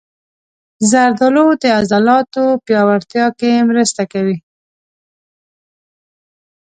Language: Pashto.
زردالو د عضلاتو پیاوړتیا کې مرسته کوي.